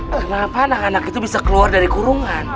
kenapa anak anak itu bisa keluar dari kurungan